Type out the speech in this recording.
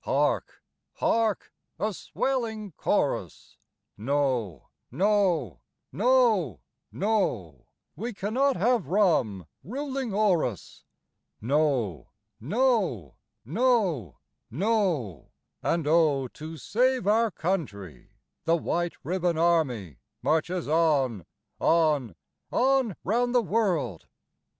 Chorus Hark! hark! a swelling chorus: No, no, no, no; We cannot have Rum ruling o'er us; No, no, no, no; And oh to save our country the White Ribbon Army Marches on, on, on round the world.